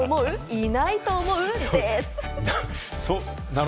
いないと思う？です。